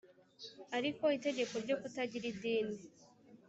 ariko itegeko ryo kutagira idini